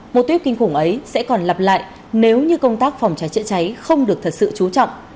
một tuyết kinh khủng ấy sẽ còn lặp lại nếu như công tác phòng cháy chạy cháy không được thật sự chú trọng